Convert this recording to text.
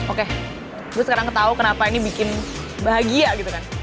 oke gue sekarang ketahu kenapa ini bikin bahagia gitu kan